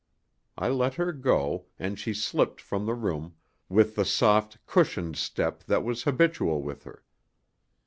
I let her go, and she slipped from the room with the soft, cushioned step that was habitual with her.